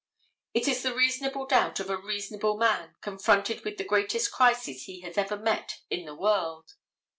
It is the reasonable doubt of a reasonable man, confronted with the greatest crisis he has ever met in the world.